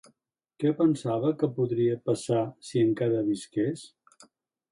Què pensava que podria passar si encara visqués?